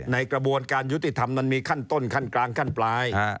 กระบวนการยุติธรรมมันมีขั้นต้นขั้นกลางขั้นปลาย